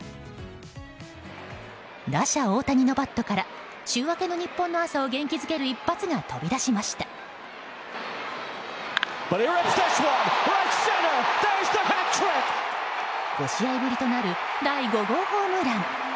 打者・大谷のバットから週明けの日本の朝を元気づける５試合ぶりとなる第５号ホームラン。